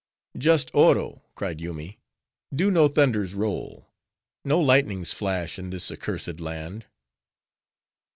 "Just Oro!" cried Yoomy, "do no thunders roll,—no lightnings flash in this accursed land!"